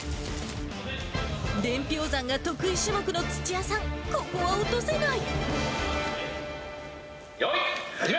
伝票算が得意種目の土屋さん、ここは落とせない。